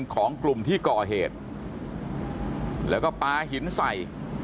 ของกลุ่มที่ก่อเหตุแล้วก็ปลาหินใส่